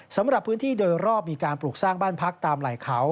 สำหรับพื้นที่โดยรอบมีการปลูกสร้างบ้านพักตามไหล่เขา